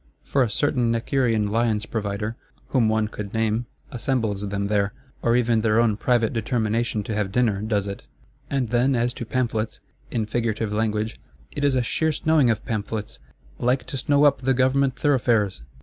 For a certain _Necker_ean Lion's provider, whom one could name, assembles them there;—or even their own private determination to have dinner does it. And then as to Pamphlets—in figurative language; "it is a sheer snowing of pamphlets; like to snow up the Government thoroughfares!"